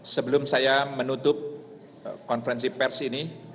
sebelum saya menutup konferensi pers ini